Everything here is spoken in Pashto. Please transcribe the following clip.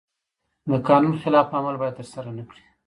د قانون خلاف عمل باید ترسره نکړي.